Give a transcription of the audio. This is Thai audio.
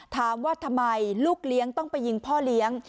ถามว่าทำไมลูกเลี้ยงต้องไปยิงพ่อเลี้ยง